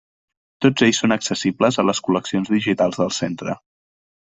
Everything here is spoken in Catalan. Tots ells són accessibles a les col·leccions digitals del Centre.